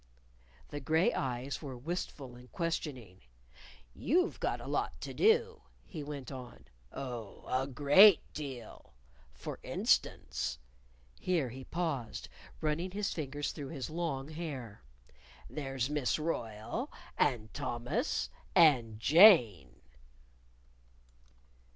The gray eyes were wistful, and questioning. "You've got a lot to do," he went on. "Oh, a great deal. For instance" here he paused, running his fingers through his long hair "there's Miss Royle, and Thomas, and Jane."